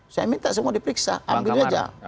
saya minta semua diperiksa ambil aja